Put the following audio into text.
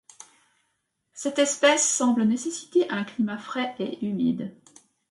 Cette espèce semble nécessiter un climat frais et humide.